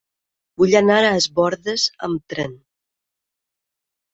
Vull anar a Es Bòrdes amb tren.